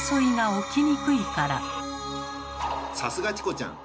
さすがチコちゃん！